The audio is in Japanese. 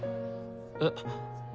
えっ？